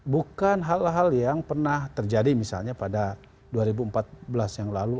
bukan hal hal yang pernah terjadi misalnya pada dua ribu empat belas yang lalu